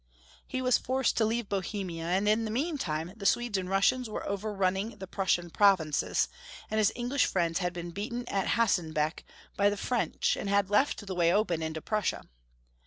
He was forced to leave Bohemia, and in the meantime the Swedes and Russians were overrun ning the Prussian provinces, and his English friends had been beaten at Hastenbeck by the French, and had left the way open into Prussia.